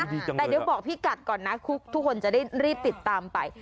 แต่เดี๋ยวบอกพี่กัดก่อนนะทุกคนจะได้รีบติดตามไป